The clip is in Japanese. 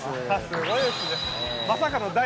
すごいですね。